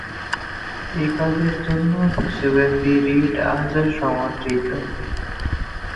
এ কাজের জন্য বিশ্বব্যাপী রিড আজও সমাদৃত।